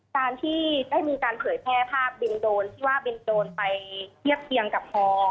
การที่ได้มีการเผยแพร่ภาพบินโดรนที่ว่าบินโดรนไปเทียบเคียงกับฮอ